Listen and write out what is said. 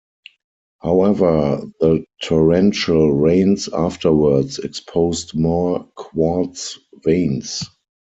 However, the torrential rains afterwards exposed more quartz veins.